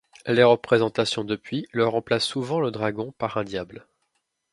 Les représentations depuis le remplacent souvent le dragon par un diable.